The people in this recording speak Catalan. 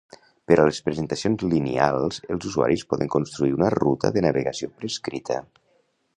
Per a les presentacions lineals, els usuaris poden construir una ruta de navegació prescrita.